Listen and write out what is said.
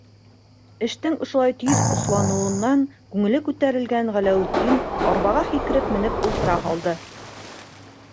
- Эштең ошолай тиҙ осланыуынан күңеле күтәрелгән Ғәләүетдин арбаға һикереп менеп ултыра һалды.